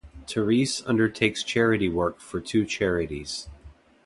Therese undertakes charity work for two charities.